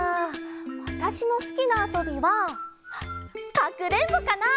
わたしのすきなあそびはかくれんぼかな！